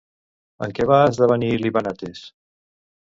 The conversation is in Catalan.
En què va esdevenir Livanates?